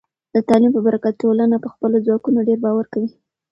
د تعلیم په برکت، ټولنه په خپلو ځواکونو ډیر باور کوي.